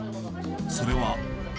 それは。